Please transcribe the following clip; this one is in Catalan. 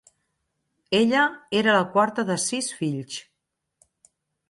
Ella era la quarta de sis fills.